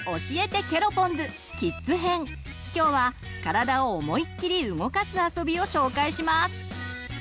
今日は体を思いっきり動かすあそびを紹介します。